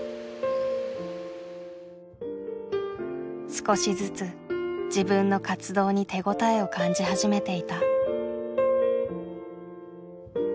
少しずつ自分の活動に手応えを感じ始めていた。